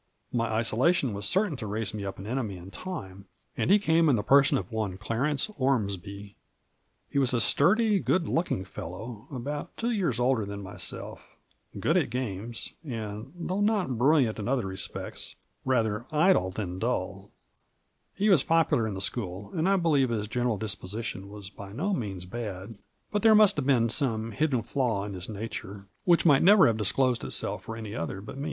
My isolation was certain to raise me up an enemy in time, and he came in the person of one Clarence Ormsby. He was a sturdy, good looking f eUow, about two years older than myself, good at games, and though not brill iant in other respects, rather idle than dull ; he was popu lar in the school, and I believe his general disposition was by no means bad ; but there must have been some hidden flaw in his nature which might never have disclosed it self for any other but me.